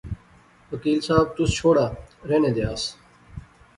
وکیل صاحب، تس چھوڑا، رہنے دیا س